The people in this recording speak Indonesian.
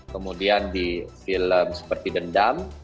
kemudian di film seperti dendam